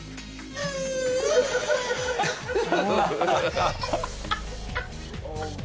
アハハハ。